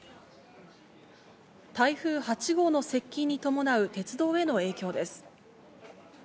台風８号の接近に伴う鉄道への影響です。